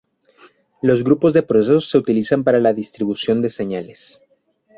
Los grupos de procesos se utilizan para la distribución de señales.